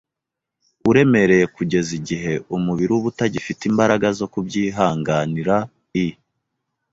uremereye kugeza igihe umubiri uba utagifite imbaraga zo kubyihanganira. I